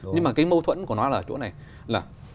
nhưng mà cái mâu thuẫn của nó là chỗ này là